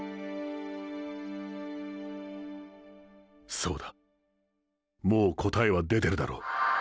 そうだもう答えは出てるだろう。